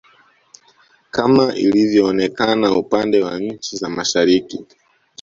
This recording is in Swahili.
kama ilivyoonekana upande wa nchi za Mashariki